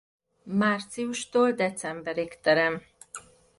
Márciustól decemberig terem.